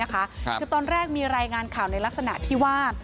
คือตอนแรกมีรายงานข่าวในลักษณะที่ว่า